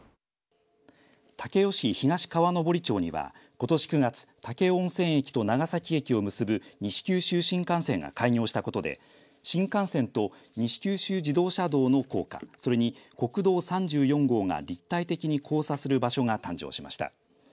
武雄市東川登町にはことし９月、武雄温泉駅と長崎駅を結ぶ西九州新幹線が開業したことで新幹線と西九州自動車道の高架それに国道３４号が立体的に交差する場所が誕生しました。